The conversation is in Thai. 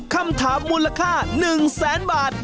คำถามมูลค่า๑๐๐๐๐๐บาท